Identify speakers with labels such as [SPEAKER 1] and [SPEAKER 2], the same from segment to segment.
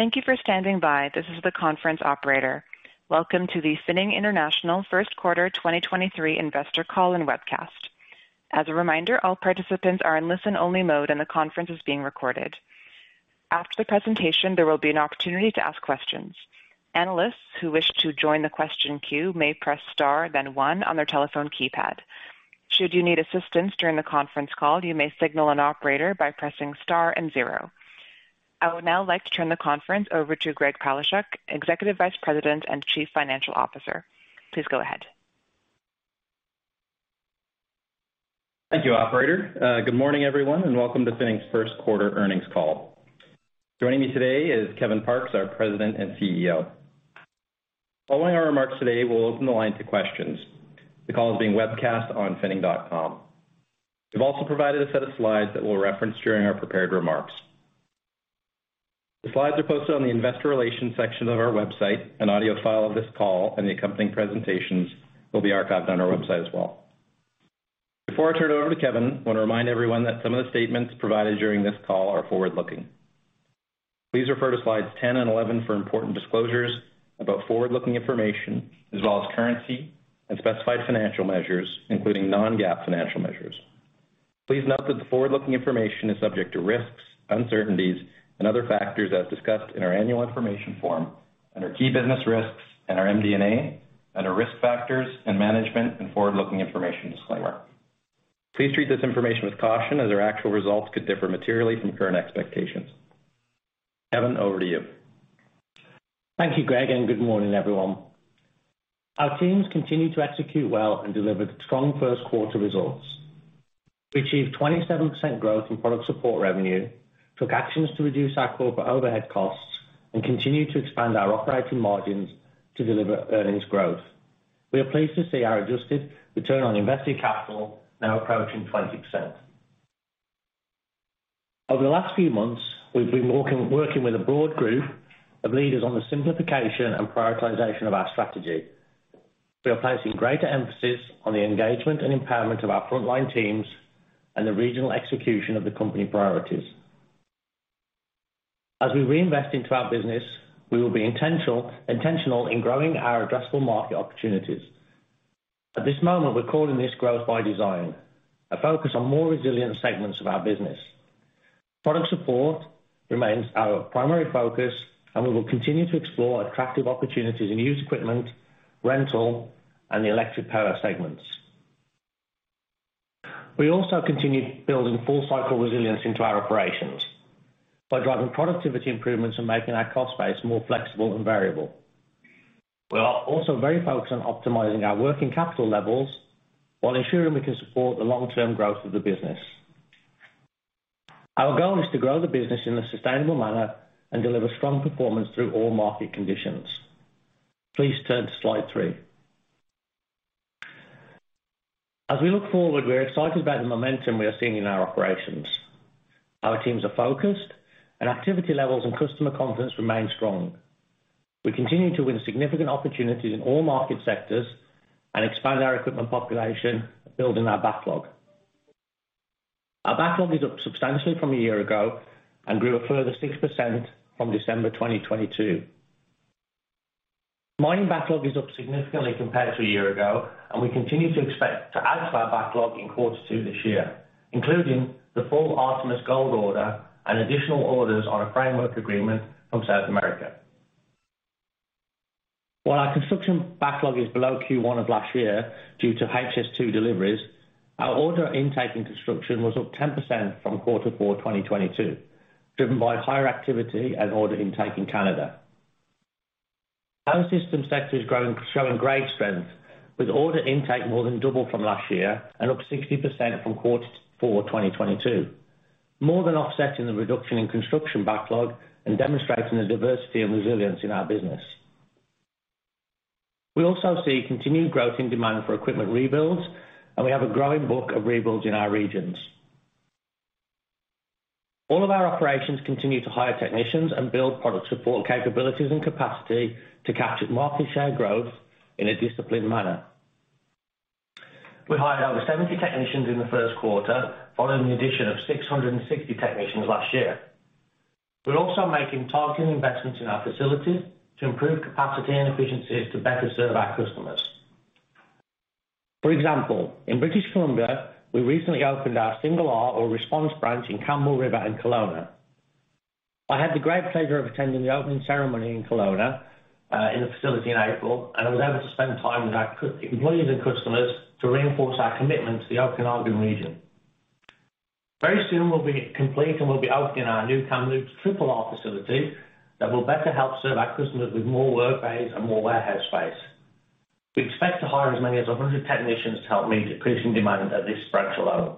[SPEAKER 1] Thank you for standing by. This is the conference operator. Welcome to the Finning International First Quarter 2023 Investor Call and Webcast. As a reminder, all participants are in listen-only mode, and the conference is being recorded. After the presentation, there will be an opportunity to ask questions. Analysts who wish to join the question queue may press star then one on their telephone keypad. Should you need assistance during the conference call, you may signal an operator by pressing star and zero. I would now like to turn the conference over to Greg Palaschuk, Executive Vice President and Chief Financial Officer. Please go ahead.
[SPEAKER 2] Thank you, Operator. Good morning, everyone, and welcome to Finning's First Quarter Earnings Call. Joining me today is Kevin Parkes, our President and CEO. Following our remarks today, we'll open the line to questions. The call is being webcast on finning.com. We've also provided a set of slides that we'll reference during our prepared remarks. The slides are posted on the Investor Relations section of our website. An audio file of this call and the accompanying presentations will be archived on our website as well. Before I turn it over to Kevin, I wanna remind everyone that some of the statements provided during this call are forward-looking. Please refer to slides 10 and 11 for important disclosures about forward-looking information as well as currency and specified financial measures, including non-GAAP financial measures. Please note that the forward-looking information is subject to risks, uncertainties and other factors as discussed in our annual information form and our key business risks and our MD&A and our risk factors and management and forward-looking information disclaimer. Please treat this information with caution as our actual results could differ materially from current expectations. Kevin, over to you.
[SPEAKER 3] Thank you, Greg, and good morning, everyone. Our teams continue to execute well and delivered strong first-quarter results. We achieved 27% growth in product support revenue, took actions to reduce our corporate overhead costs, and continued to expand our operating margins to deliver earnings growth. We are pleased to see our adjusted return on invested capital now approaching 20%. Over the last few months, we've been working with a broad group of leaders on the simplification and prioritization of our strategy. We are placing greater emphasis on the engagement and empowerment of our frontline teams and the regional execution of the company priorities. As we reinvest into our business, we will be intentional in growing our addressable market opportunities. At this moment, we're calling this growth by design, a focus on more resilient segments of our business. Product support remains our primary focus, and we will continue to explore attractive opportunities in used equipment, rental, and the electric power segments. We also continue building full cycle resilience into our operations by driving productivity improvements and making our cost base more flexible and variable. We are also very focused on optimizing our working capital levels while ensuring we can support the long-term growth of the business. Our goal is to grow the business in a sustainable manner and deliver strong performance through all market conditions. Please turn to slide three. As we look forward, we are excited about the momentum we are seeing in our operations. Our teams are focused and activity levels and customer confidence remain strong. We continue to win significant opportunities in all market sectors and expand our equipment population, building our backlog. Our backlog is up substantially from a year ago and grew a further 6% from December 2022. Mining backlog is up significantly compared to a year ago, and we continue to expect to add to our backlog in quarter two this year, including the full Artemis Gold order and additional orders on a framework agreement from South America. While our construction backlog is below Q1 of last year due to HS2 deliveries, our order intake in construction was up 10% from quarter four, 2022, driven by higher activity and order intake in Canada. Our system sector is showing great strength with order intake more than double from last year and up 60% from quarter four, 2022, more than offsetting the reduction in construction backlog and demonstrating the diversity and resilience in our business. We also see continued growth in demand for equipment rebuilds, we have a growing book of rebuilds in our regions. All of our operations continue to hire technicians and build product support capabilities and capacity to capture market share growth in a disciplined manner. We hired over 70 technicians in the first quarter, following the addition of 660 technicians last year. We're also making targeted investments in our facilities to improve capacity and efficiencies to better serve our customers. For example, in British Columbia, we recently opened our single R or response branch in Campbell River in Kelowna. I had the great pleasure of attending the opening ceremony in Kelowna, in the facility in April, I was able to spend time with our employees and customers to reinforce our commitment to the Okanagan region. Very soon, we'll be complete, and we'll be opening our new Kamloops Triple R facility that will better help serve our customers with more work bays and more warehouse space. We expect to hire as many as 100 technicians to help meet increasing demand at this branch alone.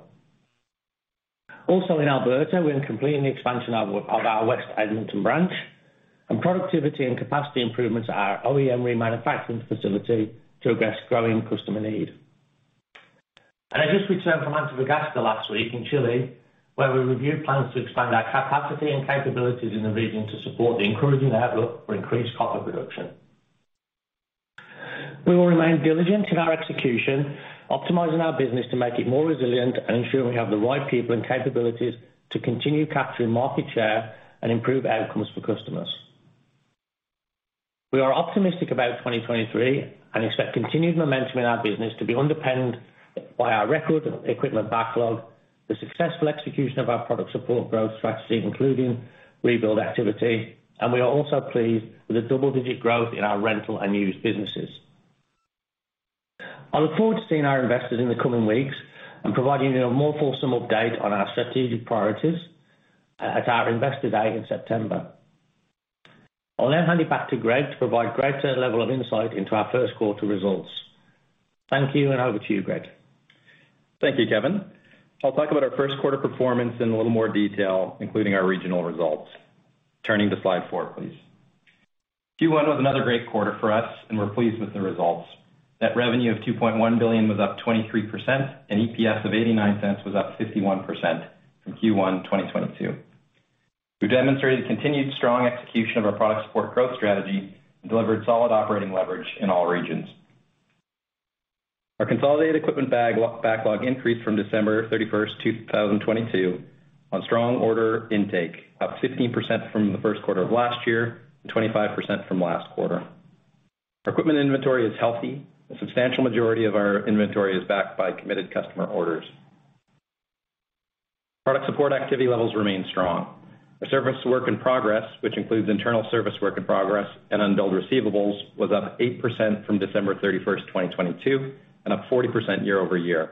[SPEAKER 3] Also in Alberta, we're completing the expansion of our West Edmonton branch and productivity and capacity improvements at our OEM remanufacturing facility to address growing customer need. I just returned from Antofagasta last week in Chile, where we reviewed plans to expand our capacity and capabilities in the region to support the encouraging outlook for increased copper production. We will remain diligent in our execution, optimizing our business to make it more resilient and ensuring we have the right people and capabilities to continue capturing market share and improve outcomes for customers. We are optimistic about 2023 and expect continued momentum in our business to be underpinned by our record equipment backlog, the successful execution of our product support growth strategy, including rebuild activity, and we are also pleased with the double-digit growth in our rental and used businesses. I look forward to seeing our investors in the coming weeks and providing you a more fulsome update on our strategic priorities at our Investor Day in September. I'll now hand it back to Greg to provide greater level of insight into our first quarter results. Thank you. Over to you, Greg.
[SPEAKER 2] Thank you, Kevin. I'll talk about our first quarter performance in a little more detail, including our regional results. Turning to slide four, please. Q1 was another great quarter for us, and we're pleased with the results. Net revenue of 2.1 billion was up 23% and EPS of 0.89 was up 51% from Q1 2022. We demonstrated continued strong execution of our product support growth strategy and delivered solid operating leverage in all regions. Our consolidated equipment bag-backlog increased from December 31st, 2022 on strong order intake, up 15% from the first quarter of last year and 25% from last quarter. Our equipment inventory is healthy. A substantial majority of our inventory is backed by committed customer orders. Product support activity levels remain strong. Our service work in progress, which includes internal service work in progress and unbilled receivables, was up 8% from December 31st, 2022 and up 40% year-over-year.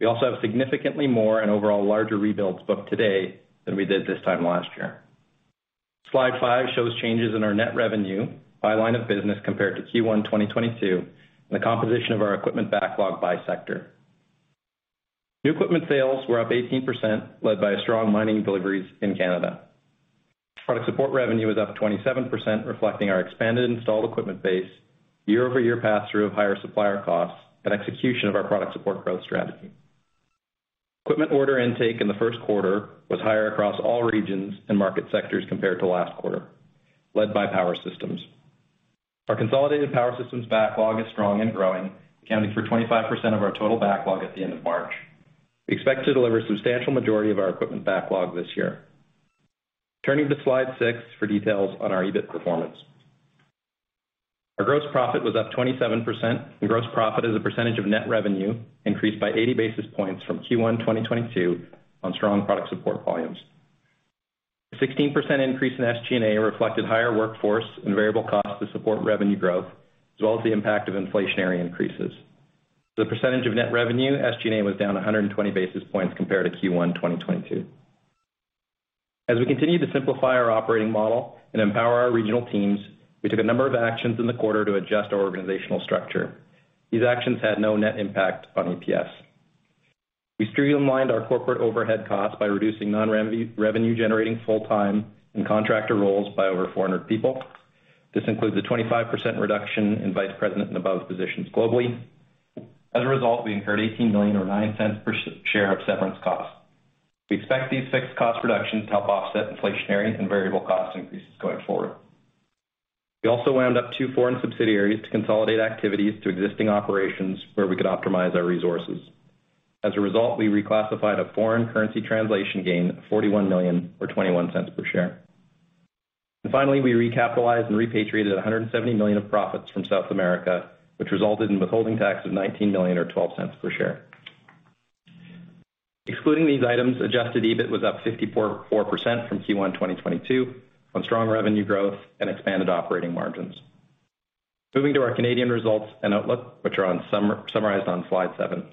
[SPEAKER 2] We also have significantly more and overall larger rebuilds booked today than we did this time last year. Slide five shows changes in our net revenue by line of business compared to Q1 2022 and the composition of our equipment backlog by sector. New equipment sales were up 18%, led by strong mining deliveries in Canada. Product support revenue was up 27%, reflecting our expanded installed equipment base, year-over-year pass-through of higher supplier costs and execution of our product support growth strategy. Equipment order intake in the first quarter was higher across all regions and market sectors compared to last quarter, led by power systems. Our consolidated power systems backlog is strong and growing, accounting for 25% of our total backlog at the end of March. We expect to deliver a substantial majority of our equipment backlog this year. Turning to slide six for details on our EBIT performance. Our gross profit was up 27%, and gross profit as a percentage of net revenue increased by 80 basis points from Q1 2022 on strong product support volumes. A 16% increase in SG&A reflected higher workforce and variable costs to support revenue growth, as well as the impact of inflationary increases. The percentage of net revenue, SG&A was down 120 basis points compared to Q1 2022. As we continue to simplify our operating model and empower our regional teams, we took a number of actions in the quarter to adjust our organizational structure. These actions had no net impact on EPS. We streamlined our corporate overhead costs by reducing non-revenue-generating full-time and contractor roles by over 400 people. This includes a 25% reduction in vice president and above positions globally. As a result, we incurred $18 million or $0.09 per share of severance costs. We expect these fixed cost reductions to help offset inflationary and variable cost increases going forward. We also wound up two foreign subsidiaries to consolidate activities to existing operations where we could optimize our resources. As a result, we reclassified a foreign currency translation gain of $41 million or $0.21 per share. Finally, we recapitalized and repatriated $170 million of profits from South America, which resulted in withholding tax of $19 million or $0.12 per share. Excluding these items, Adjusted EBIT was up 54% from Q1 2022 on strong revenue growth and expanded operating margins. Moving to our Canadian results and outlook, which are summarized on slide seven.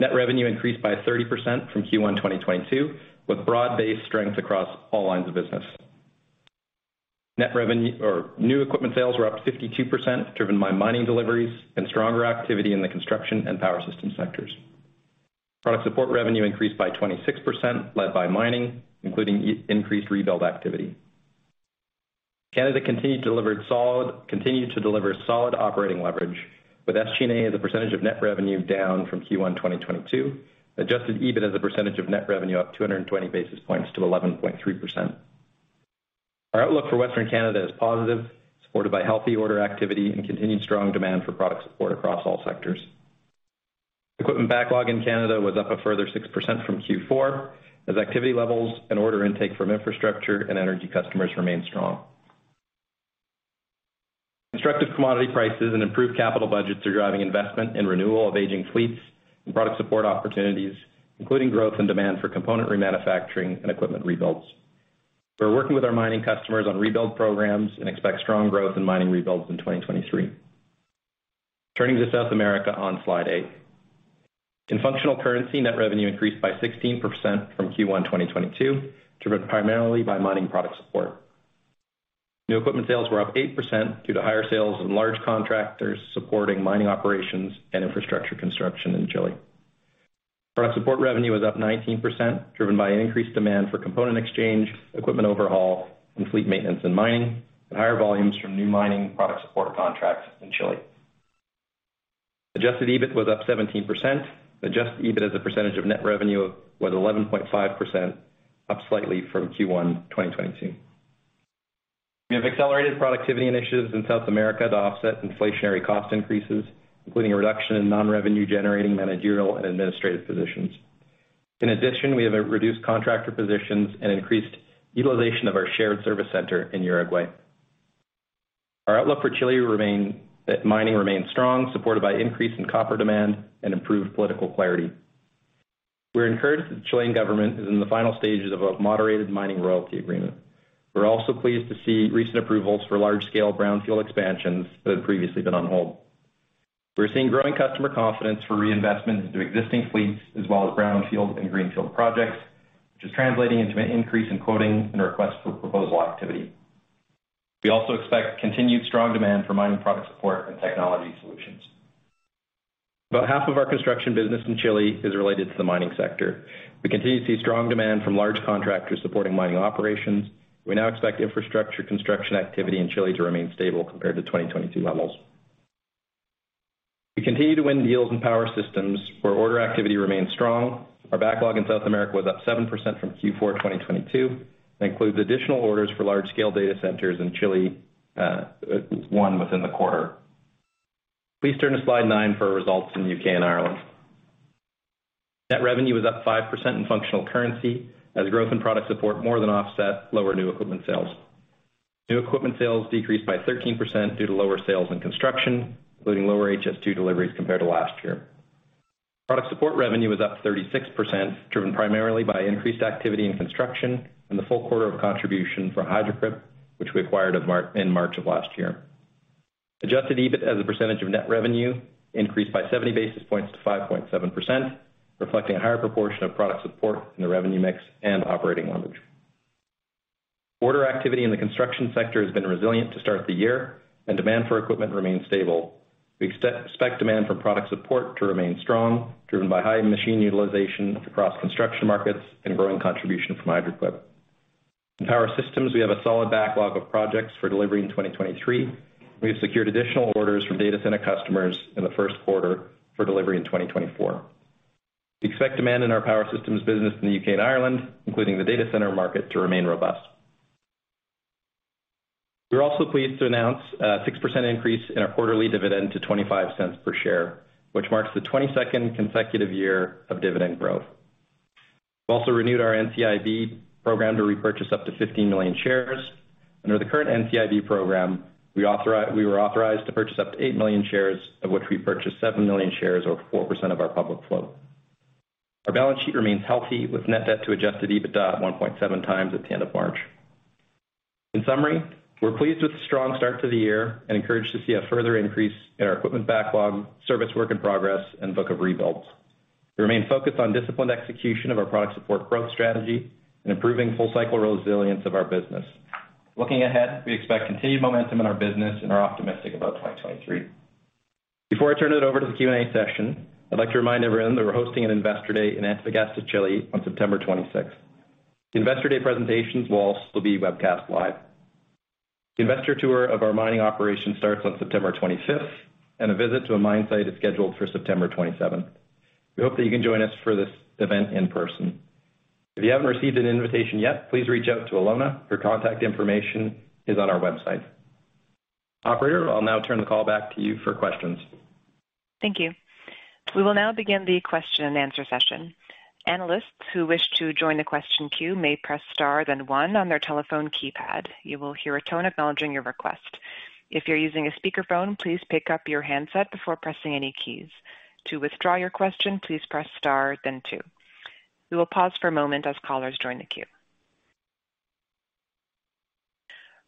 [SPEAKER 2] Net revenue increased by 30% from Q1 2022, with broad-based strength across all lines of business. Net revenue or new equipment sales were up 52%, driven by mining deliveries and stronger activity in the construction and power system sectors. Product support revenue increased by 26%, led by mining, including increased rebuild activity. Canada continued to deliver solid operating leverage, with SG&A as a percentage of net revenue down from Q1 2022. Adjusted EBIT as a percentage of net revenue up 220 basis points to 11.3%. Our outlook for Western Canada is positive, supported by healthy order activity and continued strong demand for product support across all sectors. Equipment backlog in Canada was up a further 6% from Q4 as activity levels and order intake from infrastructure and energy customers remain strong. Constructive commodity prices and improved capital budgets are driving investment in renewal of aging fleets and product support opportunities, including growth and demand for component remanufacturing and equipment rebuilds. We're working with our mining customers on rebuild programs and expect strong growth in mining rebuilds in 2023. Turning to South America on slide eight. In functional currency, net revenue increased by 16% from Q1 2022, driven primarily by mining product support. New equipment sales were up 8% due to higher sales and large contractors supporting mining operations and infrastructure construction in Chile. Product support revenue was up 19%, driven by an increased demand for component exchange, equipment overhaul, and fleet maintenance in mining, and higher volumes from new mining product support contracts in Chile. Adjusted EBIT was up 17%. Adjusted EBIT as a percentage of net revenue was 11.5%, up slightly from Q1 2022. We have accelerated productivity initiatives in South America to offset inflationary cost increases, including a reduction in non-revenue generating managerial and administrative positions. We have reduced contractor positions and increased utilization of our shared service center in Uruguay. Our outlook for Chile mining remains strong, supported by increase in copper demand and improved political clarity. We're encouraged that the Chilean government is in the final stages of a moderated mining royalty agreement. We're also pleased to see recent approvals for large scale brownfield expansions that had previously been on hold. We're seeing growing customer confidence for reinvestment into existing fleets, as well as brownfield and greenfield projects, which is translating into an increase in quoting and request for proposal activity. We also expect continued strong demand for mining product support and technology solutions. About half of our construction business in Chile is related to the mining sector. We continue to see strong demand from large contractors supporting mining operations. We now expect infrastructure construction activity in Chile to remain stable compared to 2022 levels. We continue to win deals in power systems where order activity remains strong. Our backlog in South America was up 7% from Q4 2022, and includes additional orders for large scale data centers in Chile, one within the quarter. Please turn to slide nine for results in U.K. and Ireland. Net revenue was up 5% in functional currency as growth in product support more than offset lower new equipment sales. New equipment sales decreased by 13% due to lower sales and construction, including lower HS2 deliveries compared to last year. Product support revenue was up 36%, driven primarily by increased activity in construction and the full quarter of contribution from Hydraquip, which we acquired in March of last year. Adjusted EBIT as a percentage of net revenue increased by 70 basis points to 5.7%, reflecting a higher proportion of product support in the revenue mix and operating leverage. Order activity in the construction sector has been resilient to start the year and demand for equipment remains stable. We expect demand for product support to remain strong, driven by high machine utilization across construction markets and growing contribution from Hydraquip. In power systems, we have a solid backlog of projects for delivery in 2023. We have secured additional orders from data center customers in the first quarter for delivery in 2024. We expect demand in our power systems business in the U.K. and Ireland, including the data center market, to remain robust. We're also pleased to announce a 6% increase in our quarterly dividend to $0.25 per share, which marks the 22nd consecutive year of dividend growth. We've also renewed our NCIB program to repurchase up to 15 million shares. Under the current NCIB program, we were authorized to purchase up to 8 million shares, of which we purchased 7 million shares or 4% of our public float. Our balance sheet remains healthy, with net debt to adjusted EBITDA at 1.7x at the end of March. In summary, we're pleased with the strong start to the year and encouraged to see a further increase in our equipment backlog, service work in progress and book of rebuilds. We remain focused on disciplined execution of our product support growth strategy and improving full cycle resilience of our business. Looking ahead, we expect continued momentum in our business and are optimistic about 2023. Before I turn it over to the Q&A session, I'd like to remind everyone that we're hosting an Investor Day in Antofagasta, Chile on September 26th. The Investor Day presentations will also be webcast live. The investor tour of our mining operation starts on September 25th, and a visit to a mine site is scheduled for September 27th. We hope that you can join us for this event in person. If you haven't received an invitation yet, please reach out to Alona. Her contact information is on our website. Operator, I'll now turn the call back to you for questions.
[SPEAKER 1] Thank you. We will now begin the question-and-answer session. Analysts who wish to join the question queue may press star then one on their telephone keypad. You will hear a tone acknowledging your request. If you're using a speakerphone, please pick up your handset before pressing any keys. To withdraw your question, please press star then two. We will pause for a moment as callers join the queue.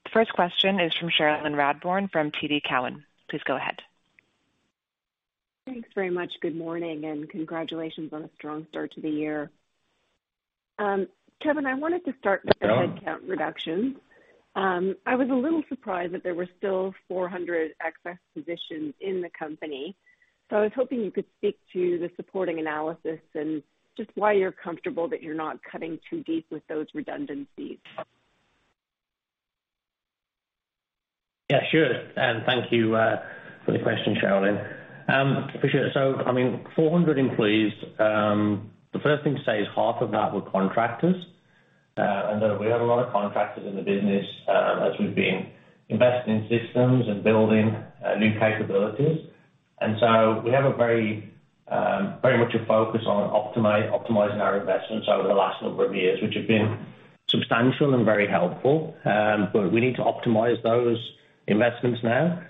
[SPEAKER 1] The first question is from Cherilyn Radbourne from TD Cowen. Please go ahead.
[SPEAKER 4] Thanks very much. Good morning, and congratulations on a strong start to the year. Kevin, I wanted to start with the headcount reductions. I was a little surprised that there were still 400 excess positions in the company, so I was hoping you could speak to the supporting analysis and just why you're comfortable that you're not cutting too deep with those redundancies.
[SPEAKER 3] Yeah, sure. Thank you for the question, Cherilyn. Appreciate it. I mean, 400 employees. The first thing to say is half of that were contractors. We have a lot of contractors in the business, as we've been investing in systems and building new capabilities. We have a very, very much a focus on optimizing our investments over the last number of years, which have been substantial and very helpful. We need to optimize those investments now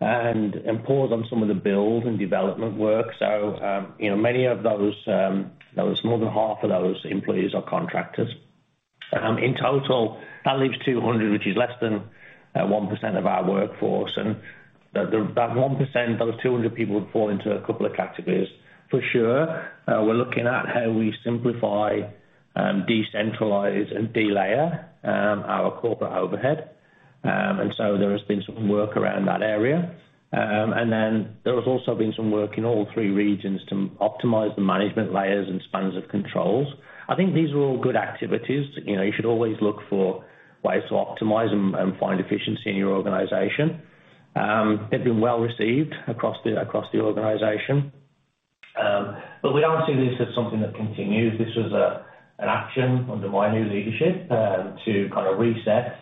[SPEAKER 3] and impose on some of the build and development work. You know, many of those more than half of those employees are contractors. In total, that leaves 200, which is less than 1% of our workforce. The 1%, those 200 people would fall into a couple of categories. For sure, we're looking at how we simplify, decentralize and delayer our corporate overhead. There has been some work around that area. Then there has also been some work in all three regions to optimize the management layers and spans of controls. I think these are all good activities. You know, you should always look for ways to optimize and find efficiency in your organization. They've been well received across the organization. We don't see this as something that continues. This was an action under my new leadership to kind of reset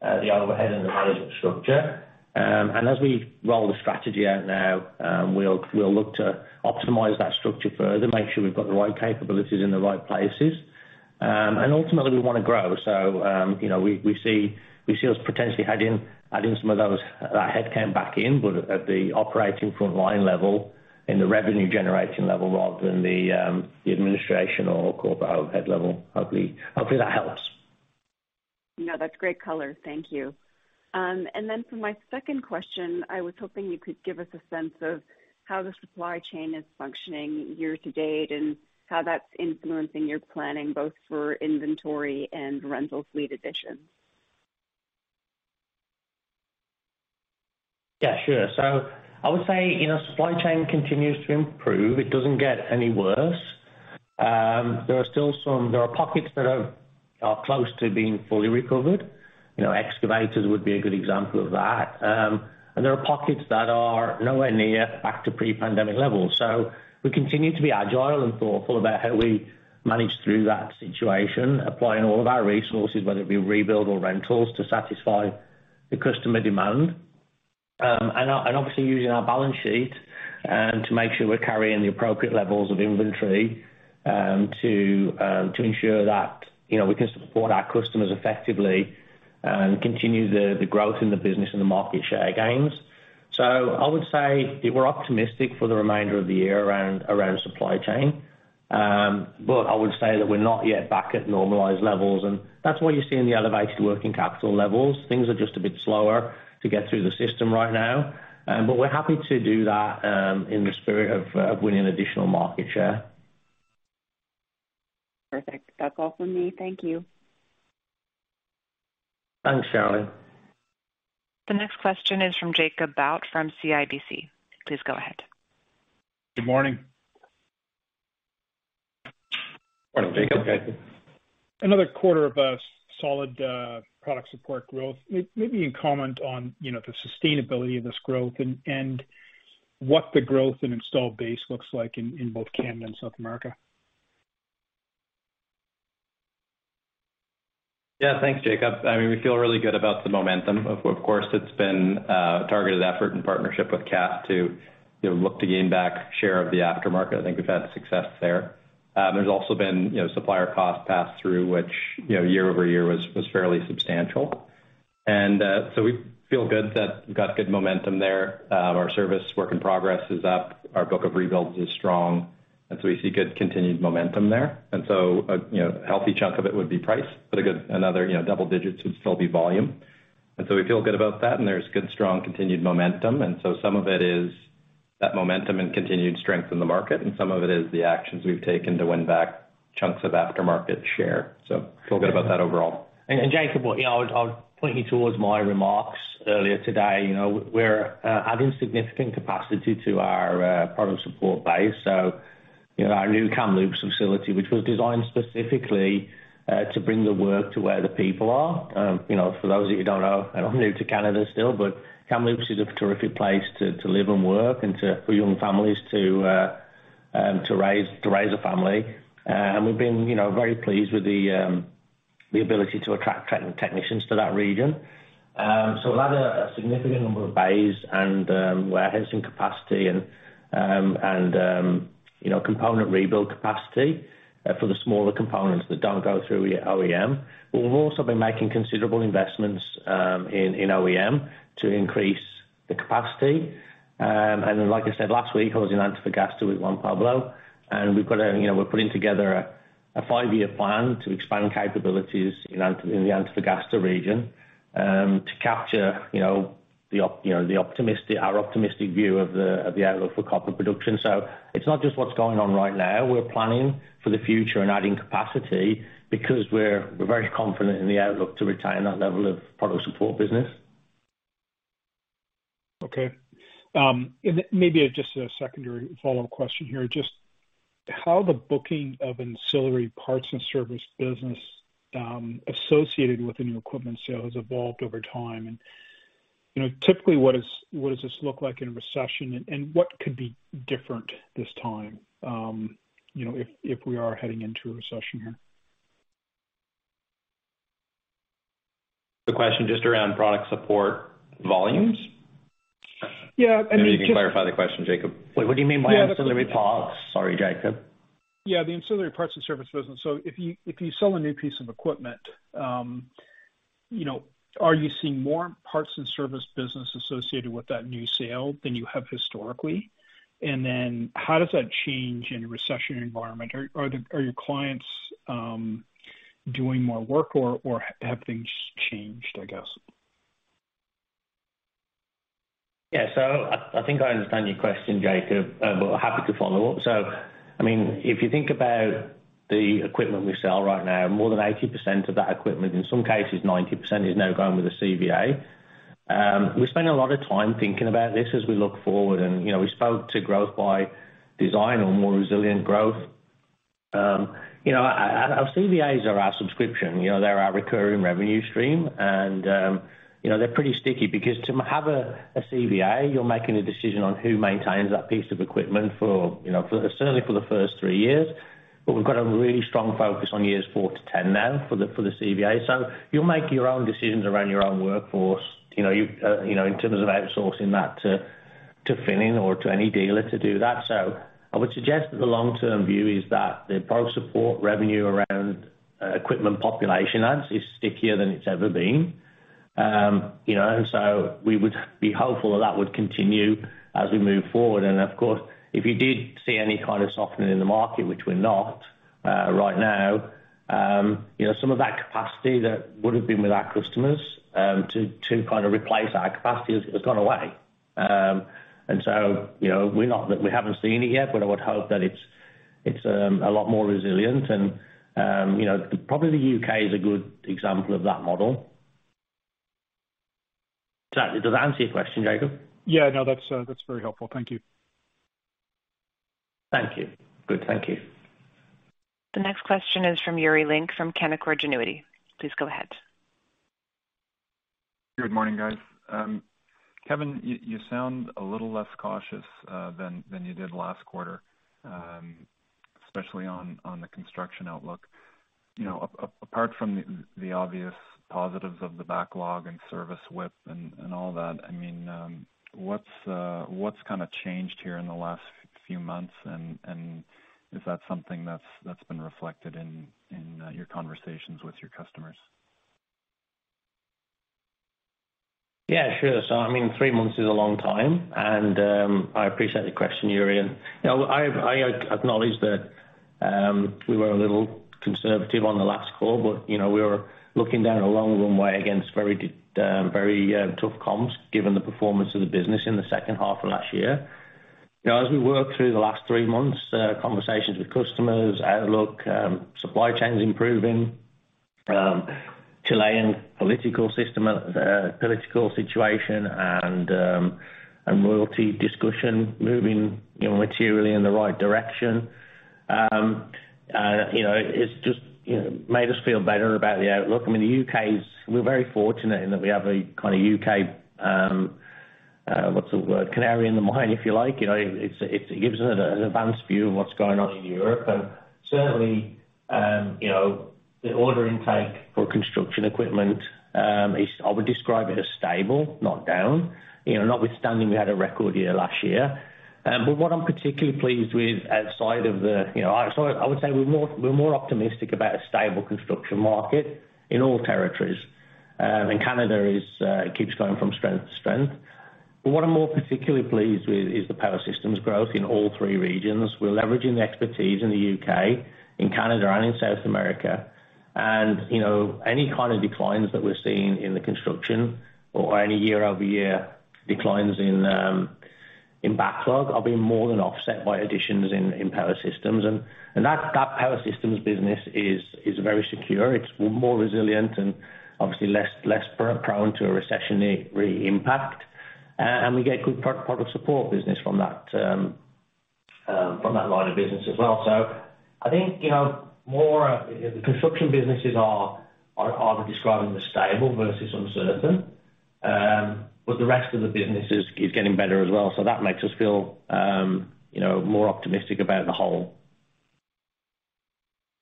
[SPEAKER 3] the overhead and the management structure. As we roll the strategy out now, we'll look to optimize that structure further, make sure we've got the right capabilities in the right places. Ultimately we wanna grow. You know, we see us potentially adding that headcount back in, but at the operating frontline level, in the revenue generating level rather than the administration or corporate overhead level. Hopefully that helps.
[SPEAKER 4] No, that's great color. Thank you. Then for my second question, I was hoping you could give us a sense of how the supply chain is functioning year-to-date and how that's influencing your planning, both for inventory and rental fleet additions.
[SPEAKER 3] Sure. I would say, you know, supply chain continues to improve. It doesn't get any worse. There are still some pockets that are close to being fully recovered. You know, excavators would be a good example of that. And there are pockets that are nowhere near back to pre-pandemic levels. We continue to be agile and thoughtful about how we manage through that situation, applying all of our resources, whether it be rebuild or rentals, to satisfy the customer demand. And obviously using our balance sheet to make sure we're carrying the appropriate levels of inventory to ensure that, you know, we can support our customers effectively and continue the growth in the business and the market share gains. I would say that we're optimistic for the remainder of the year around supply chain. I would say that we're not yet back at normalized levels, and that's why you see in the elevated working capital levels, things are just a bit slower to get through the system right now. We're happy to do that in the spirit of winning additional market share.
[SPEAKER 4] Perfect. That's all from me. Thank you.
[SPEAKER 3] Thanks, Cherilyn.
[SPEAKER 1] The next question is from Jacob Bout from CIBC. Please go ahead.
[SPEAKER 5] Good morning.
[SPEAKER 3] Morning, Jacob.
[SPEAKER 5] Another quarter of solid product support growth. Maybe you can comment on, you know, the sustainability of this growth and what the growth in installed base looks like in both Canada and South America.
[SPEAKER 2] Yeah. Thanks, Jacob. I mean, we feel really good about the momentum. Of course, it's been targeted effort and partnership with Cat to, you know, look to gain back share of the aftermarket. I think we've had success there. There's also been, you know, supplier costs passed through which, you know, year-over-year was fairly substantial. So we feel good that we've got good momentum there. Our service work in progress is up, our book of rebuilds is strong, and so we see good continued momentum there. So, you know, a healthy chunk of it would be price, but a good another, you know, double digits would still be volume. We feel good about that, and there's good, strong, continued momentum. Some of it is that momentum and continued strength in the market, and some of it is the actions we've taken to win back chunks of aftermarket share. Feel good about that overall.
[SPEAKER 3] Jacob, you know, I'll point you towards my remarks earlier today. You know, we're adding significant capacity to our product support base. You know, our new Kamloops facility, which was designed specifically to bring the work to where the people are. You know, for those of you who don't know, and I'm new to Canada still, but Kamloops is a terrific place to live and work and to for young families to raise a family. And we've been, you know, very pleased with the ability to attract technicians to that region. We've added a significant number of bays and warehousing capacity and component rebuild capacity for the smaller components that don't go through your OEM. We've also been making considerable investments in OEM to increase the capacity. Like I said, last week, I was in Antofagasta with Juan Pablo, and we've got a, we're putting together a five-year plan to expand capabilities in the Antofagasta region to capture the optimistic view of the outlook for copper production. It's not just what's going on right now, we're planning for the future and adding capacity because we're very confident in the outlook to retain that level of product support business.
[SPEAKER 5] Okay. Maybe just a secondary follow-up question here. Just how the booking of ancillary parts and service business associated with the new equipment sale has evolved over time. You know, typically, what does this look like in a recession, and what could be different this time, you know, if we are heading into a recession here?
[SPEAKER 2] The question just around product support volumes?
[SPEAKER 5] Yeah, I mean...
[SPEAKER 2] Maybe you can clarify the question, Jacob.
[SPEAKER 3] Wait, what do you mean by ancillary parts? Sorry, Jacob.
[SPEAKER 5] Yeah, the ancillary parts and service business. So if you sell a new piece of equipment, you know, are you seeing more parts and service business associated with that new sale than you have historically? How does that change in a recession environment? Are your clients doing more work or have things changed, I guess?
[SPEAKER 3] Yeah. I think I understand your question, Jacob, but happy to follow up. I mean, if you think about the equipment we sell right now, more than 80% of that equipment, in some cases 90%, is now going with a CVA. We spend a lot of time thinking about this as we look forward and, you know, we spoke to growth by design or more resilient growth. You know, our CVAs are our subscription, you know, they're our recurring revenue stream. You know, they're pretty sticky because to have a CVA, you're making a decision on who maintains that piece of equipment for, you know, for certainly for the first three years. But we've got a really strong focus on years four to 10 now for the, for the CVA. You'll make your own decisions around your own workforce, you know, you know, in terms of outsourcing that to Finning or to any dealer to do that. I would suggest that the long-term view is that the product support revenue around equipment population ads is stickier than it's ever been. You know, we would be hopeful that that would continue as we move forward. Of course, if you did see any kind of softening in the market, which we're not right now, you know, some of that capacity that would have been with our customers, to kind of replace our capacity has gone away. You know, we're not that we haven't seen it yet, but I would hope that it's a lot more resilient and, you know, probably the UK is a good example of that model. Exactly. Does that answer your question, Jacob?
[SPEAKER 5] Yeah. No, that's very helpful. Thank you.
[SPEAKER 3] Thank you. Good. Thank you.
[SPEAKER 1] The next question is from Yuri Lynk from Canaccord Genuity. Please go ahead.
[SPEAKER 6] Good morning, guys. Kevin, you sound a little less cautious than you did last quarter, especially on the construction outlook. You know, apart from the obvious positives of the backlog and service width and all that, I mean, what's kinda changed here in the last few months? Is that something that's been reflected in your conversations with your customers?
[SPEAKER 3] Yeah, sure. I mean, three months is a long time, and I appreciate the question, Yuri. You know, I acknowledge that we were a little conservative on the last call, but, you know, we were looking down a long runway against very tough comms given the performance of the business in the second half of last year. You know, as we work through the last three months, conversations with customers, outlook, supply chains improving, Chilean political system, political situation and royalty discussion moving, you know, materially in the right direction. You know, it's just, you know, made us feel better about the outlook. I mean, the U.K.'s... We're very fortunate in that we have a kinda U.K., what's the word? Canary in the mine, if you like. You know, it gives an advanced view of what's going on in Europe. Certainly, you know, the order intake for construction equipment is, I would describe it as stable, not down. You know, notwithstanding, we had a record year last year. What I'm particularly pleased with outside of the, you know. I would say we're more optimistic about a stable construction market in all territories. Canada is keeps going from strength to strength. What I'm more particularly pleased with is the power systems growth in all three regions. We're leveraging the expertise in the U.K., in Canada and in South America. You know, any kind of declines that we're seeing in the construction or any year-over-year declines in backlog are being more than offset by additions in power systems. That power systems business is very secure. It's more resilient and obviously less prone to a recessionary impact. We get good product support business from that line of business as well. I think, you know, more, you know, the construction businesses are describing as stable versus uncertain. The rest of the business is getting better as well. That makes us feel, you know, more optimistic about the whole.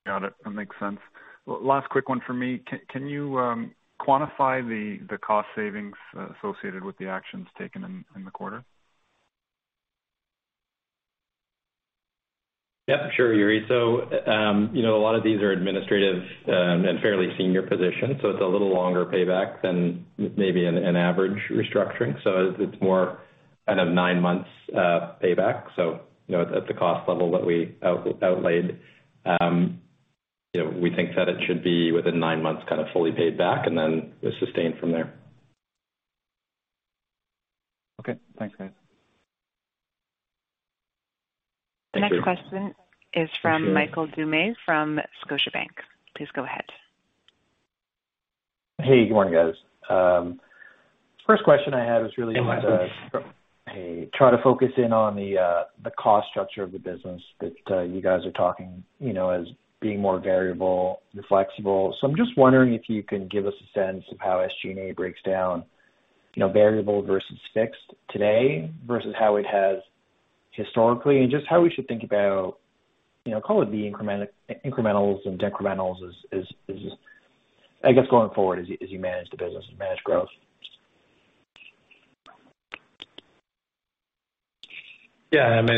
[SPEAKER 6] Got it. That makes sense. Last quick one for me. Can you quantify the cost savings associated with the actions taken in the quarter?
[SPEAKER 2] Yep, sure, Yuri. You know, a lot of these are administrative and fairly senior positions, so it's a little longer payback than maybe an average restructuring. It's more kind of nine months payback. You know, at the cost level that we outlaid, you know, we think that it should be within nine months, kind of fully paid back and then sustained from there.
[SPEAKER 6] Okay. Thanks, guys.
[SPEAKER 3] Thank you.
[SPEAKER 1] The next question is from Michael Doumet from Scotiabank. Please go ahead.
[SPEAKER 7] Hey, good morning, guys. First question I had.
[SPEAKER 3] Hey, Michael.
[SPEAKER 7] Hey. Try to focus in on the cost structure of the business that, you guys are talking, you know, as being more variable and flexible. I'm just wondering if you can give us a sense of how SG&A breaks down, you know, variable versus fixed today versus how it has historically, and just how we should think about, you know, call it the incrementals and decrementals as just, I guess, going forward as you, as you manage the business and manage growth.
[SPEAKER 2] Yeah. I mean,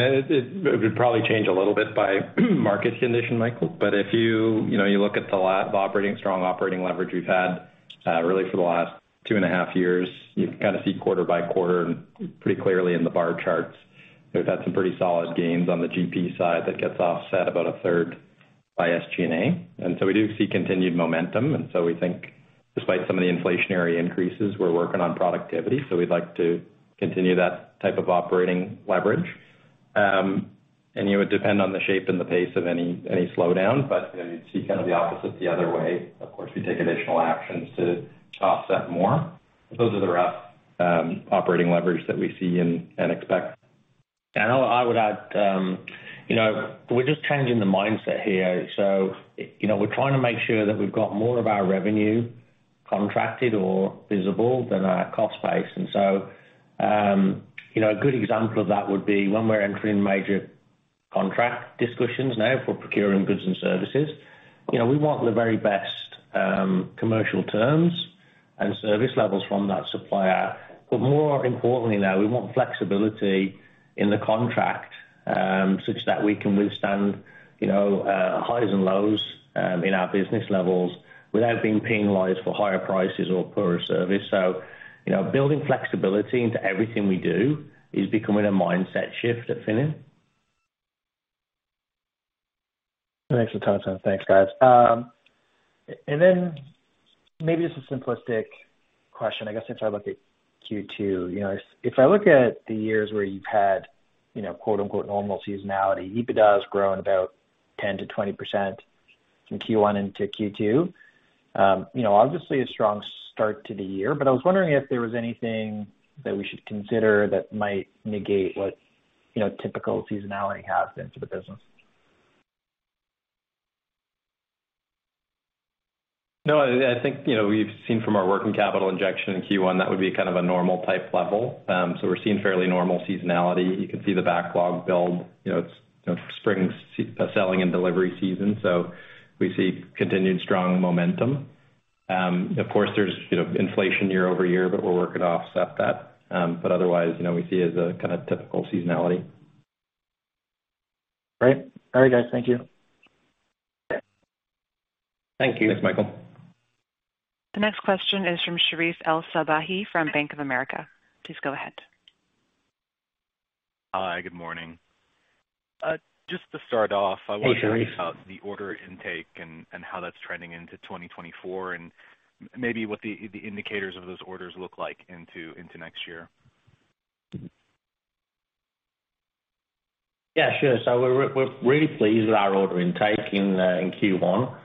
[SPEAKER 2] it would probably change a little bit by market condition, Michael. If you know, you look at the strong operating leverage we've had really for the last two and a half years, you can kind of see quarter by quarter pretty clearly in the bar charts. We've had some pretty solid gains on the GP side that gets offset about a third by SG&A. We do see continued momentum. We think despite some of the inflationary increases, we're working on productivity. We'd like to continue that type of operating leverage. It would depend on the shape and the pace of any slowdown, you know, you'd see kind of the opposite the other way. Of course, we take additional actions to offset more. Those are the rough operating leverage that we see and expect.
[SPEAKER 3] I would add, you know, we're just changing the mindset here. You know, we're trying to make sure that we've got more of our revenue contracted or visible than our cost base. You know, a good example of that would be when we're entering major contract discussions now for procuring goods and services. You know, we want the very best commercial terms and service levels from that supplier. More importantly now, we want flexibility in the contract, such that we can withstand, you know, highs and lows in our business levels without being penalized for higher prices or poorer service. You know, building flexibility into everything we do is becoming a mindset shift at Finning.
[SPEAKER 7] Thanks a ton, Kevin. Thanks, guys. Maybe this is a simplistic question, I guess, if I look at Q2. You know, if I look at the years where you've had, you know, quote-unquote, normal seasonality, EBITDA has grown about 10%-20% from Q1 into Q2. You know, obviously a strong start to the year, I was wondering if there was anything that we should consider that might negate what, you know, typical seasonality has into the business.
[SPEAKER 2] No, I think, you know, we've seen from our working capital injection in Q1, that would be kind of a normal type level. We're seeing fairly normal seasonality. You can see the backlog build. You know, it's spring selling and delivery season, we see continued strong momentum. Of course, there's, you know, inflation year-over-year, we'll work it offset that. Otherwise, you know, we see it as a kind of typical seasonality.
[SPEAKER 7] Great. All right, guys. Thank you.
[SPEAKER 3] Thank you.
[SPEAKER 2] Thanks, Michael.
[SPEAKER 1] The next question is from Sherif El-Sabbahy from Bank of America. Please go ahead.
[SPEAKER 8] Hi, good morning. Just to start off.
[SPEAKER 3] Hey, Sherif....
[SPEAKER 8] to talk the order intake and how that's trending into 2024, maybe what the indicators of those orders look like into next year.
[SPEAKER 3] Yeah, sure. We're really pleased with our order intake in Q1.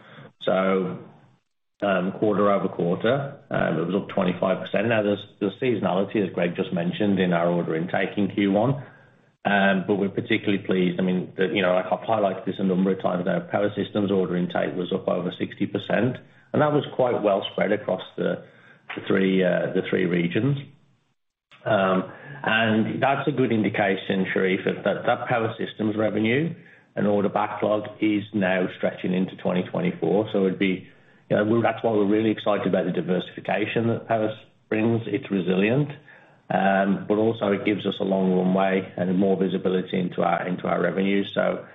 [SPEAKER 3] Quarter-over-quarter, it was up 25%. Now, there's the seasonality, as Greg just mentioned, in our order intake in Q1. We're particularly pleased. I mean, you know, like I've highlighted this a number of times now, Power Systems order intake was up over 60%, and that was quite well spread across the three regions. That's a good indication, Sherif, that Power Systems revenue and order backlog is now stretching into 2024. You know, that's why we're really excited about the diversification that Power brings. It's resilient, also it gives us a long runway and more visibility into our revenues. For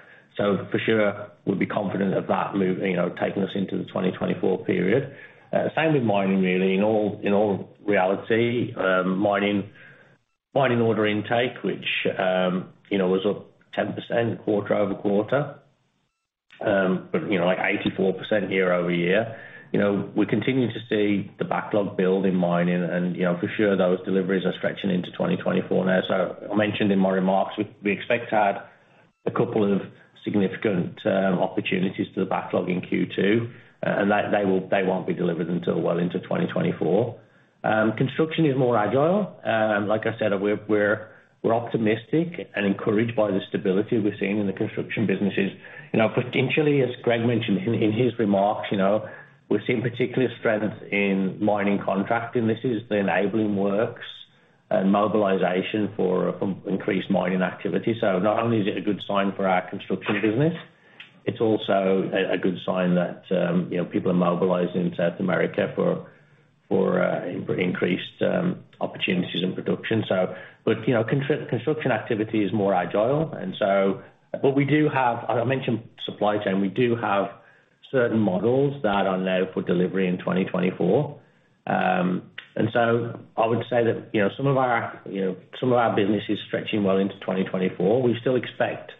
[SPEAKER 3] sure, we'll be confident of that move, you know, taking us into the 2024 period. Same with mining, really. In all reality, mining order intake, which, you know, was up 10% quarter-over-quarter, but, you know, like 84% year-over-year. You know, we continue to see the backlog build in mining and, you know, for sure those deliveries are stretching into 2024 now. I mentioned in my remarks, we expect to add a couple of significant opportunities to the backlog in Q2, and that they won't be delivered until well into 2024. Construction is more agile. Like I said, we're optimistic and encouraged by the stability we're seeing in the construction businesses. You know, potentially, as Greg mentioned in his remarks, you know, we're seeing particular strength in mining contracting. This is the enabling works and mobilization for increased mining activity. Not only is it a good sign for our construction business, it's also a good sign that, you know, people are mobilizing South America for increased opportunities in production. You know, construction activity is more agile. What we do have. I mentioned supply chain, we do have certain models that are now for delivery in 2024. I would say that, you know, some of our, you know, some of our business is stretching well into 2024. We still expect,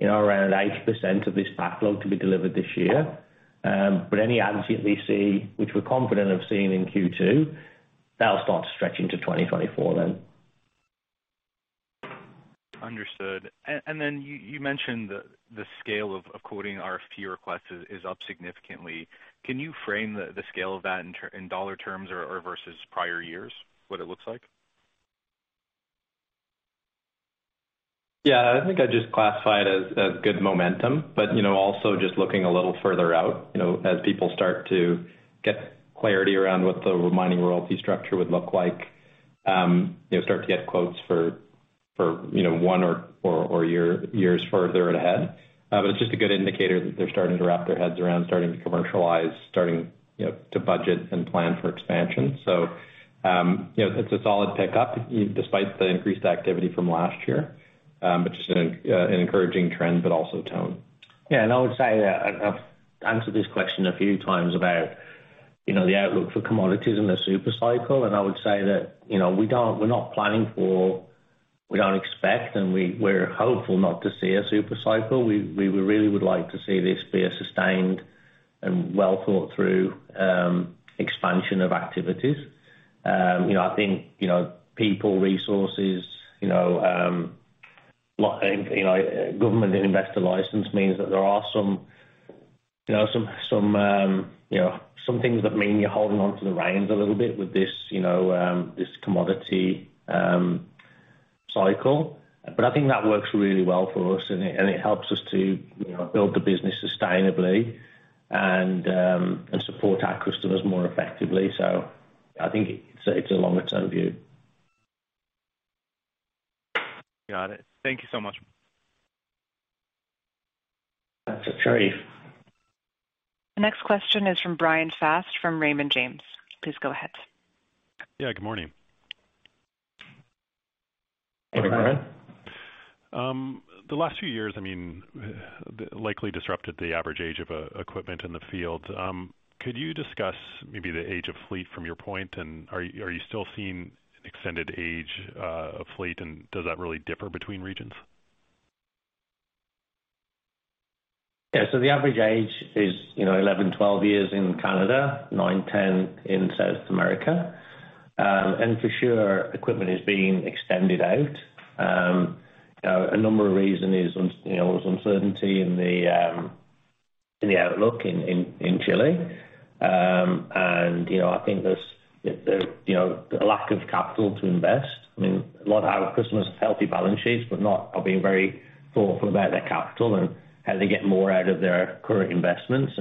[SPEAKER 3] you know, around 80% of this backlog to be delivered this year. Any ads that we see, which we're confident of seeing in Q2, that'll start to stretch into 2024 then.
[SPEAKER 8] Understood. You mentioned the scale of quoting RFP requests is up significantly. Can you frame the scale of that in dollar terms or versus prior years, what it looks like?
[SPEAKER 2] Yeah. I think I'd just classify it as good momentum. You know, also just looking a little further out, you know, as people start to get clarity around what the mining royalty structure would look like, you know, start to get quotes for, you know, one or years further ahead. It's just a good indicator that they're starting to wrap their heads around, starting to commercialize, starting, you know, to budget and plan for expansion. You know, it's a solid pickup despite the increased activity from last year. Just an encouraging trend, but also tone.
[SPEAKER 3] Yeah. I would say that I've answered this question a few times about, you know, the outlook for commodities and the super cycle. I would say that, you know, we're not planning for, we don't expect, and we're hopeful not to see a super cycle. We really would like to see this be a sustained and well-thought-through expansion of activities. You know, I think, you know, people, resources, you know, like, you know, government and investor license means that there are some, you know, some things that mean you're holding onto the reins a little bit with this, you know, this commodity cycle. I think that works really well for us, and it helps us to, you know, build the business sustainably and support our customers more effectively. I think it's a longer-term view.
[SPEAKER 8] Got it. Thank you so much.
[SPEAKER 3] That's okay.
[SPEAKER 1] The next question is from Bryan Fast from Raymond James. Please go ahead.
[SPEAKER 9] Yeah, good morning.
[SPEAKER 3] Hey, Bryan.
[SPEAKER 9] The last few years, I mean, likely disrupted the average age of equipment in the field. Could you discuss maybe the age of fleet from your point? Are you still seeing extended age of fleet? Does that really differ between regions?
[SPEAKER 3] The average age is, you know, 11, 12 years in Canada, nine, 10 in South America. For sure, equipment is being extended out. A number of reason is, you know, there was uncertainty in the outlook in Chile. I think there's, you know, a lack of capital to invest. I mean, a lot of our customers have healthy balance sheets, are being very thoughtful about their capital and how they get more out of their current investments.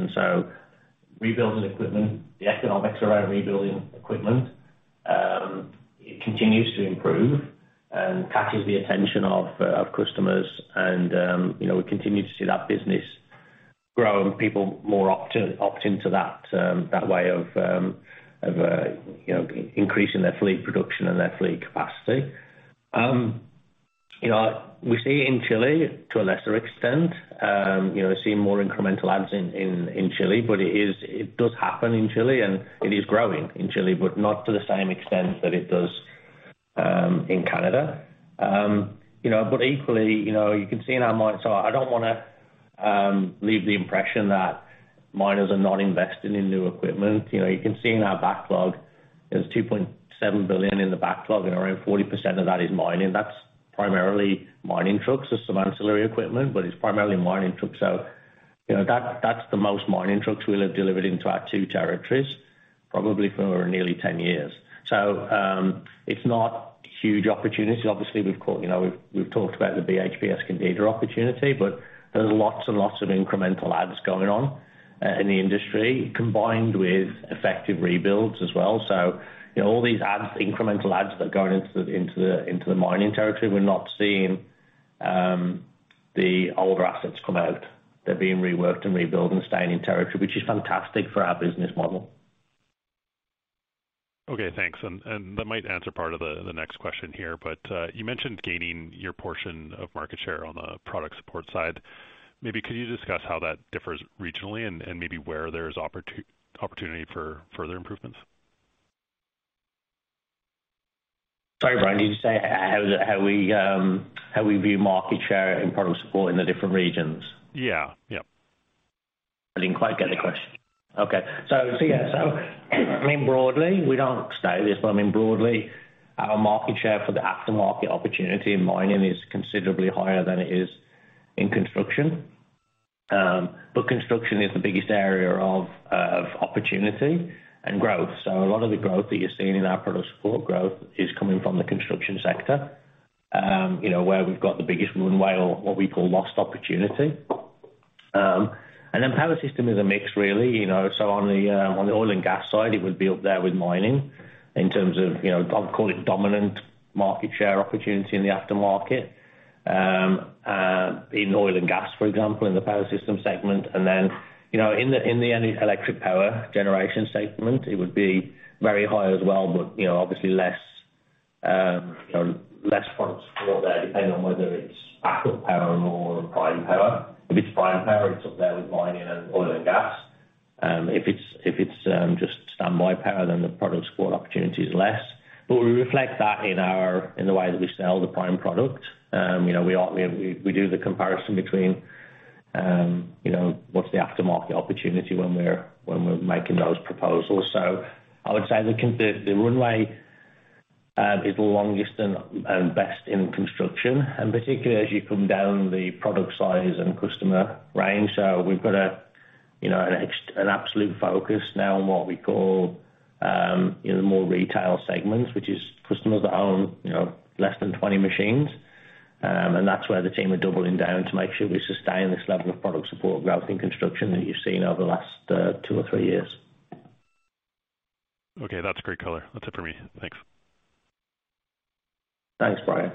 [SPEAKER 3] Rebuilding equipment, the economics around rebuilding equipment, it continues to improve and catches the attention of customers. You know, we continue to see that business grow and people more opt into that way of, you know, increasing their fleet production and their fleet capacity. You know, we see it in Chile to a lesser extent. You know, seeing more incremental adds in Chile, but it does happen in Chile, and it is growing in Chile, but not to the same extent that it does in Canada. You know, but equally, you know, you can see in our mines. I don't wanna leave the impression that miners are not investing in new equipment. You know, you can see in our backlog, there's $2.7 billion in the backlog, and around 40% of that is mining. That's primarily mining trucks. There's some ancillary equipment, but it's primarily mining trucks. you know, that's the most mining trucks we live delivered into our two territories, probably for nearly 10 years. it's not huge opportunity. Obviously, we've caught, you know, we've talked about the BHP Escondida opportunity, but there's lots and lots of incremental adds going on in the industry, combined with effective rebuilds as well. you know, all these adds, incremental adds that are going into the mining territory, we're not seeing the older assets come out. They're being reworked and rebuilt and staying in territory, which is fantastic for our business model.
[SPEAKER 9] Okay, thanks. That might answer part of the next question here, but you mentioned gaining your portion of market share on the product support side. Maybe could you discuss how that differs regionally and maybe where there's opportunity for further improvements?
[SPEAKER 3] Sorry, Bryan. You say how we view market share and product support in the different regions?
[SPEAKER 9] Yeah. Yeah.
[SPEAKER 3] I didn't quite get the question. Okay. Yeah. I mean, broadly, we don't say this, but I mean, broadly, our market share for the aftermarket opportunity in mining is considerably higher than it is in construction. Construction is the biggest area of opportunity and growth. A lot of the growth that you're seeing in our product support growth is coming from the construction sector, you know, where we've got the biggest runway or what we call lost opportunity. Power system is a mix really, you know. On the oil and gas side, it would be up there with mining in terms of, you know, I'll call it dominant market share opportunity in the aftermarket in oil and gas, for example, in the power system segment. You know, in the electric power generation segment, it would be very high as well, but, you know, obviously less, you know, less product support there, depending on whether it's backup power or prime power. If it's prime power, it's up there with mining and oil and gas. If it's just standby power, then the product support opportunity is less. We reflect that in the way that we sell the prime product. You know, we do the comparison between, you know, what's the aftermarket opportunity when we're, when we're making those proposals. I would say the runway, is the longest and best in construction, and particularly as you come down the product size and customer range. We've got a, you know, an absolute focus now on what we call, you know, more retail segments, which is customers that own, you know, less than 20 machines. That's where the team are doubling down to make sure we sustain this level of product support growth in construction that you've seen over the last two or three years.
[SPEAKER 9] Okay. That's great color. That's it for me. Thanks.
[SPEAKER 3] Thanks, Bryan.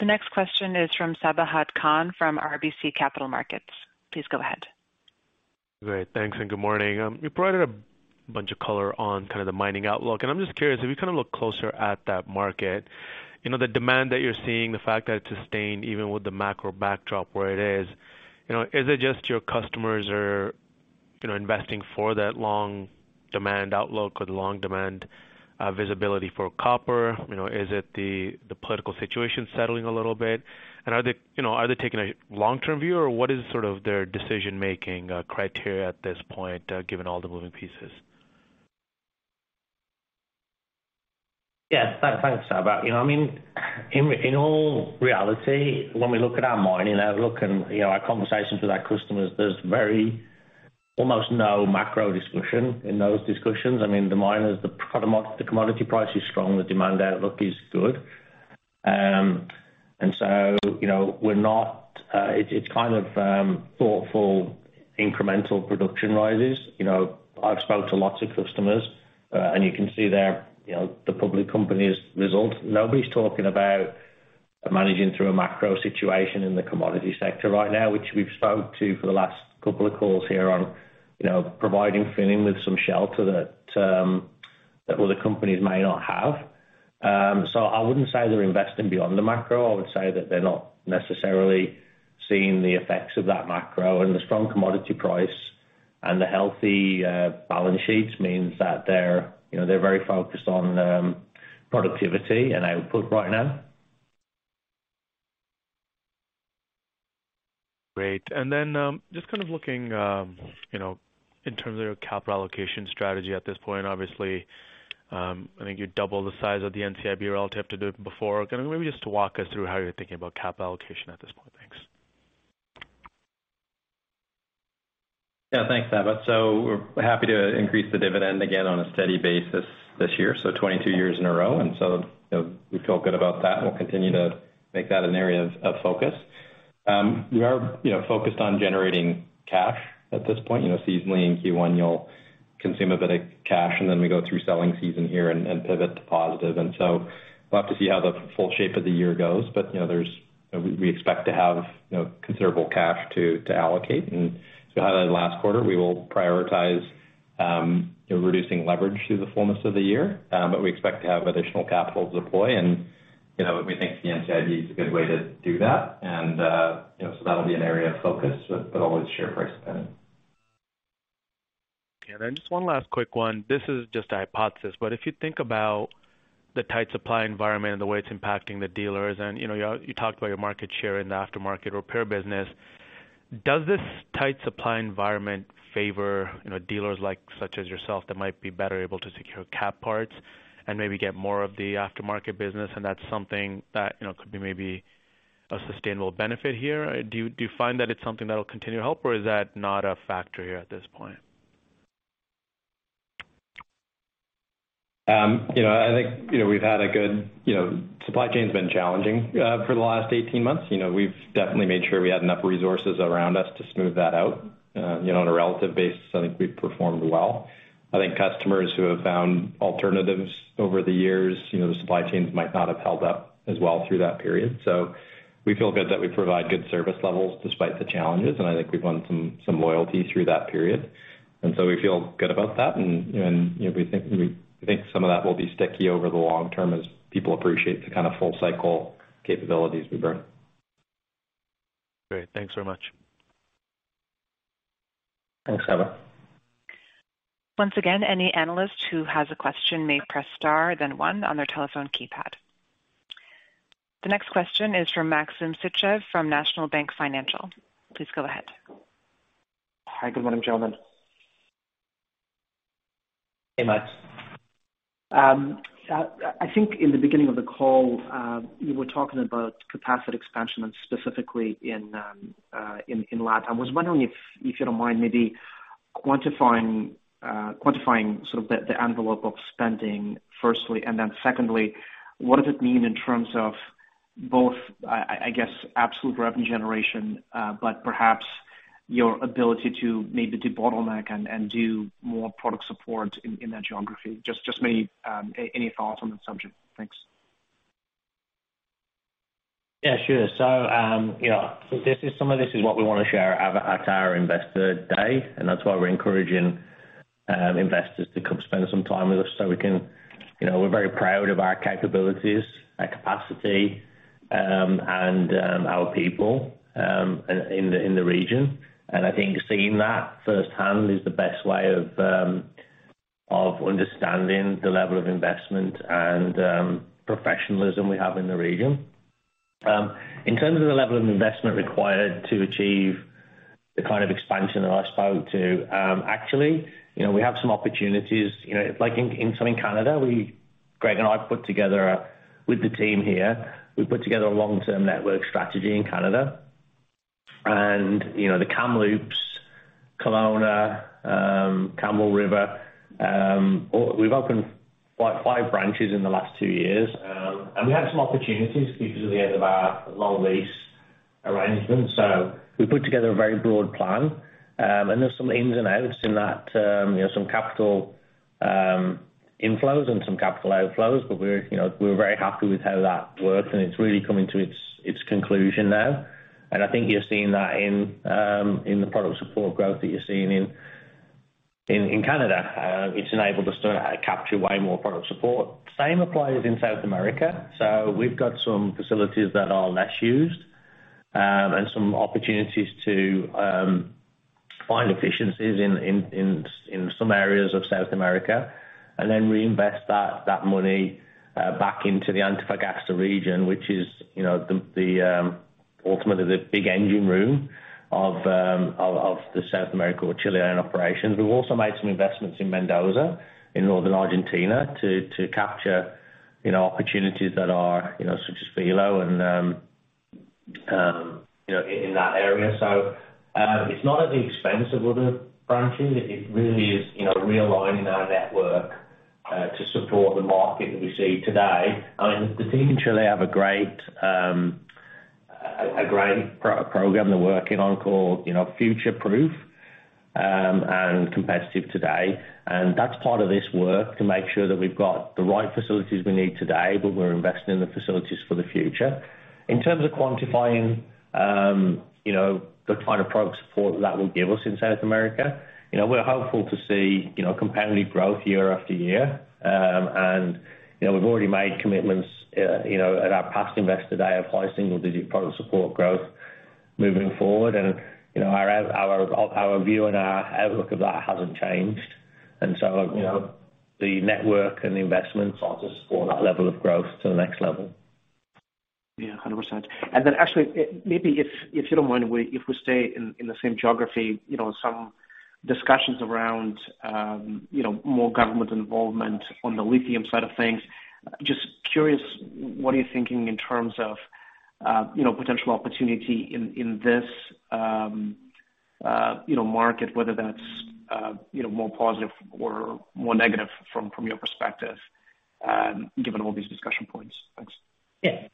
[SPEAKER 1] The next question is from Sabahat Khan from RBC Capital Markets. Please go ahead.
[SPEAKER 10] Great. Thanks, and good morning. You provided a bunch of color on kind of the mining outlook, and I'm just curious, if you kind of look closer at that market, you know, the demand that you're seeing, the fact that it's sustained even with the macro backdrop where it is, you know, is it just your customers are, you know, investing for that long demand outlook or the long demand visibility for copper? You know, is it the political situation settling a little bit? Are they, you know, are they taking a long-term view or what is sort of their decision-making criteria at this point, given all the moving pieces?
[SPEAKER 3] Yeah. Thanks, Saba. You know, I mean, in all reality, when we look at our mining outlook and, you know, our conversations with our customers, there's very almost no macro discussion in those discussions. I mean, the miners, the commodity price is strong, the demand outlook is good. You know, It's kind of thoughtful, incremental production rises. You know, I've spoke to lots of customers, and you can see their, you know, the public companies results. Nobody's talking about managing through a macro situation in the commodity sector right now, which we've spoke to for the last couple of calls here on, you know, providing Finning with some shelter that other companies may not have. I wouldn't say they're investing beyond the macro. I would say that they're not necessarily seeing the effects of that macro. The strong commodity price and the healthy balance sheets means that they're, you know, they're very focused on productivity and output right now.
[SPEAKER 10] Great. Then, just kind of looking, you know, in terms of your capital allocation strategy at this point, obviously, I think you doubled the size of the NCIB relative to before. Can you maybe just walk us through how you're thinking about capital allocation at this point? Thanks.
[SPEAKER 2] Yeah, thanks, Saba. We're happy to increase the dividend again on a steady basis this year, 22 years in a row. You know, we feel good about that, and we'll continue to make that an area of focus. We are, you know, focused on generating cash at this point. You know, seasonally in Q1, you'll consume a bit of cash, and then we go through selling season here and pivot to positive. We'll have to see how the full shape of the year goes. You know, we expect to have, you know, considerable cash to allocate. As we highlighted last quarter, we will prioritize, you know, reducing leverage through the fullness of the year. We expect to have additional capital to deploy. You know, we think the NCIB is a good way to do that. You know, so that'll be an area of focus but always share price dependent.
[SPEAKER 10] Okay. Just one last quick one. This is just a hypothesis, but if you think about the tight supply environment and the way it's impacting the dealers and, you know, you talked about your market share in the aftermarket repair business. Does this tight supply environment favor, you know, dealers like such as yourself that might be better able to secure Cat parts and maybe get more of the aftermarket business, and that's something that, you know, could be maybe a sustainable benefit here? Do you find that it's something that'll continue to help, or is that not a factor here at this point?
[SPEAKER 2] You know, I think, you know, You know, supply chain's been challenging for the last 18 months. You know, we've definitely made sure we had enough resources around us to smooth that out. You know, on a relative basis, I think we've performed well. I think customers who have found alternatives over the years, you know, the supply chains might not have held up as well through that period. We feel good that we provide good service levels despite the challenges, and I think we've won some loyalty through that period. We feel good about that and, you know, we think some of that will be sticky over the long term as people appreciate the kind of full cycle capabilities we bring.
[SPEAKER 10] Great. Thanks very much.
[SPEAKER 3] Thanks, Saba.
[SPEAKER 1] Once again, any analyst who has a question may press star then one on their telephone keypad. The next question is from Maxim Sytchev from National Bank Financial. Please go ahead.
[SPEAKER 11] Hi. Good morning, gentlemen.
[SPEAKER 3] Hey, Max.
[SPEAKER 11] I think in the beginning of the call, you were talking about capacity expansion and specifically in LATAM. I was wondering if you don't mind maybe quantifying sort of the envelope of spending, firstly. Secondly, what does it mean in terms of both I guess, absolute revenue generation, but perhaps your ability to maybe debottleneck and do more product support in that geography? Just maybe any thoughts on that subject. Thanks.
[SPEAKER 3] Sure. You know, some of this is what we wanna share at our Investor Day, and that's why we're encouraging investors to come spend some time with us so we can. You know, we're very proud of our capabilities, our capacity, and our people in the region. I think seeing that firsthand is the best way of understanding the level of investment and professionalism we have in the region. In terms of the level of investment required to achieve the kind of expansion that I spoke to, actually, you know, we have some opportunities. You know, like in Southern Canada, With the team here, we put together a long-term network strategy in Canada. You know, the Kamloops, Kelowna, Campbell River, we've opened, what, five branches in the last two years. We had some opportunities because of the end of our long lease arrangement. We put together a very broad plan. There's some ins and outs in that, you know, some capital, inflows and some capital outflows. We're, you know, we're very happy with how that worked, and it's really coming to its conclusion now. I think you're seeing that in the product support growth that you're seeing in Canada. It's enabled us to capture way more product support. Same applies in South America. We've got some facilities that are less used, and some opportunities to find efficiencies in some areas of South America and then reinvest that money back into the Antofagasta region, which is, you know, Ultimately, the big engine room of the South America or Chilean operations. We've also made some investments in Mendoza, in Northern Argentina to capture, you know, opportunities that are, you know, such as Filo and, you know, in that area. It's not at the expense of other branches. It really is, you know, realigning our network to support the market that we see today. I mean, the team in Chile have a great program they're working on called, you know, Future Proof and Competitive Today. That's part of this work to make sure that we've got the right facilities we need today, but we're investing in the facilities for the future. In terms of quantifying, you know, the kind of product support that will give us in South America, you know, we're hopeful to see, you know, competitive growth year after year. We've already made commitments, you know, at our past Investor Day of high single digit product support growth moving forward. Our, our view and our outlook of that hasn't changed. The network and the investments are to support that level of growth to the next level.
[SPEAKER 11] Yeah, 100%. Actually, maybe if you don't mind, if we stay in the same geography, you know, some discussions around, you know, more government involvement on the lithium side of things. Just curious, what are you thinking in terms of, you know, potential opportunity in this, you know, market? Whether that's, you know, more positive or more negative from your perspective, given all these discussion points? Thanks.
[SPEAKER 3] Yeah.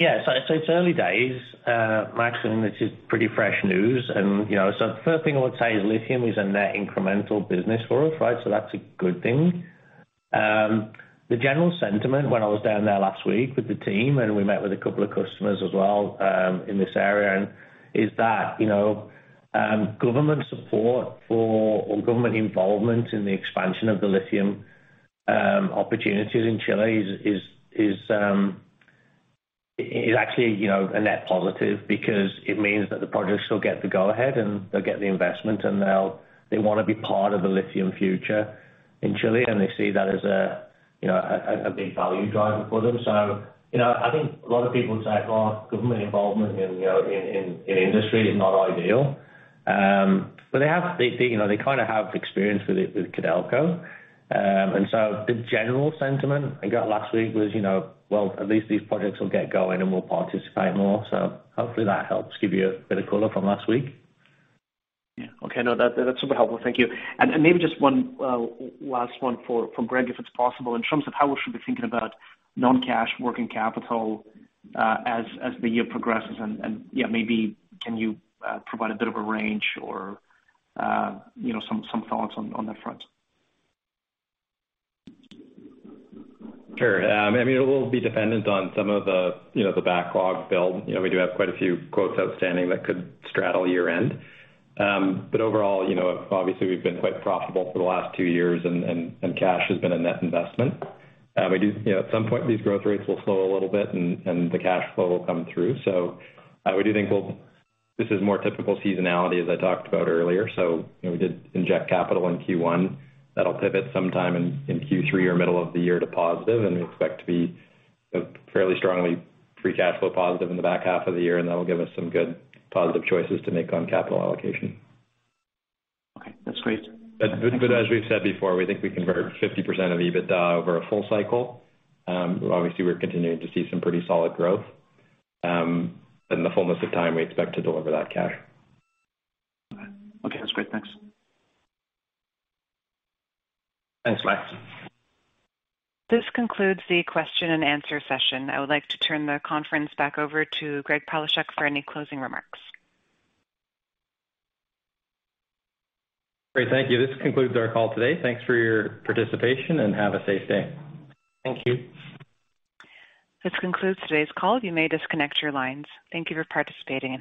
[SPEAKER 3] Yeah. It's early days, Maxim, this is pretty fresh news. You know, the first thing I would say is lithium is a net incremental business for us, right? That's a good thing. The general sentiment when I was down there last week with the team, and we met with a couple of customers as well, in this area, is that, you know, government support for or government involvement in the expansion of the lithium opportunities in Chile is actually, you know, a net positive because it means that the projects will get the go ahead and they'll get the investment, and they wanna be part of the lithium future in Chile, and they see that as a, you know, a big value driver for them. you know, I think a lot of people say, "Oh, government involvement in, you know, in industry is not ideal." you know, they kinda have experience with it with Codelco. the general sentiment I got last week was, you know, well, at least these projects will get going and we'll participate more. hopefully that helps give you a bit of color from last week.
[SPEAKER 11] Yeah. Okay. No, that's super helpful. Thank you. Maybe just one last one from Greg, if it's possible. In terms of how we should be thinking about non-cash working capital, as the year progresses and yeah, maybe can you provide a bit of a range or, you know, some thoughts on that front?
[SPEAKER 2] Sure. I mean, it will be dependent on some of the, you know, the backlog build. You know, we do have quite a few quotes outstanding that could straddle year-end. Overall, you know, obviously we've been quite profitable for the last two years and cash has been a net investment. We do, you know, at some point, these growth rates will slow a little bit, and the cash flow will come through. We do think this is more typical seasonality as I talked about earlier. You know, we did inject capital in Q1 that'll pivot sometime in Q3 or middle of the year to positive, and we expect to be, you know, fairly strongly free cash flow positive in the back half of the year, and that'll give us some good positive choices to make on capital allocation.
[SPEAKER 11] Okay. That's great.
[SPEAKER 2] As we've said before, we think we convert 50% of EBITDA over a full cycle. Obviously, we're continuing to see some pretty solid growth. In the fullness of time, we expect to deliver that cash.
[SPEAKER 11] All right. Okay, that's great. Thanks.
[SPEAKER 3] Thanks, Max.
[SPEAKER 1] This concludes the question and answer session. I would like to turn the conference back over to Greg Palaschuk for any closing remarks.
[SPEAKER 2] Great. Thank you. This concludes our call today. Thanks for your participation and have a safe day.
[SPEAKER 3] Thank you.
[SPEAKER 1] This concludes today's call. You may disconnect your lines. Thank you for participating and goodbye.